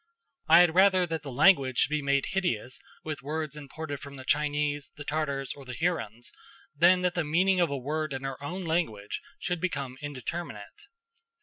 I had rather that the language should be made hideous with words imported from the Chinese, the Tartars, or the Hurons, than that the meaning of a word in our own language should become indeterminate.